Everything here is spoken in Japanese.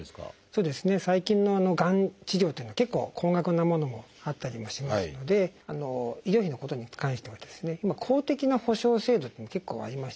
そうですね最近のがん治療というのは結構高額なものもあったりもしますので医療費のことに関してはですね今公的な保障制度っていうのが結構ありましてですね